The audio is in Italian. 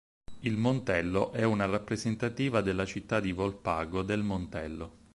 Il Montello è una rappresentativa della città di Volpago del Montello.